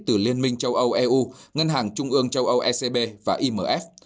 từ liên minh châu âu eu ngân hàng trung ương châu âu ecb và imf